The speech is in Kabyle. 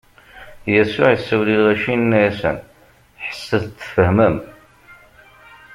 Yasuɛ isawel i lɣaci, inna-asen: Ḥesset-d tfehmem!